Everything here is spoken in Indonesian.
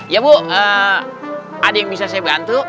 ya bu ada yang bisa saya bantu